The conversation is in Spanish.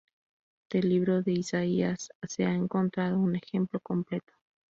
Del libro de Isaías se ha encontrado un ejemplar completo.